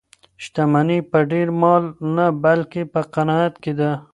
شتمني په ډېر مال نه بلکې په قناعت کې ده.